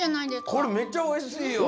これめっちゃおいしいよ！